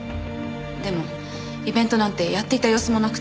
でもイベントなんてやっていた様子もなくて。